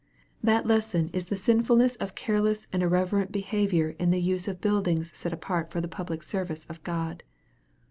That lesson is the sinfuluess of careless and irreverent behavior in the use of buildings set apart for the public service of God.